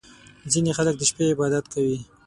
• ځینې خلک د شپې عبادت کوي.